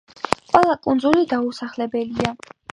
ყველა კუნძული დაუსახლებელია.